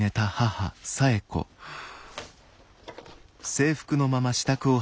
はあ。